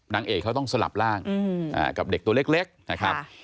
นางเอกเขาต้องสลับร่างกับเด็กตัวเล็กนะครับ